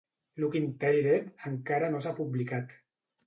"Looking Tired" encara no s'ha publicat.